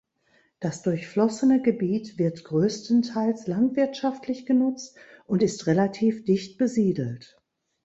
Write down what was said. Das durchflossene Gebiet wird größtenteils landwirtschaftlich genutzt und ist relativ dicht besiedelt.